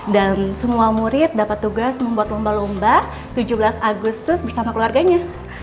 dan semua murid dapat tugas membuat lomba lomba tujuh belas agustus bersama keluarganya